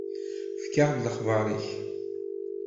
Efk-aɣ-d lexbar-ik.